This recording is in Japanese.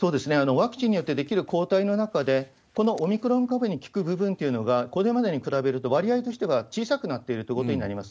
ワクチンによって出来る抗体の中で、このオミクロン株に効く部分っていうのが、これまでに比べると、割合としては小さくなっているということになります。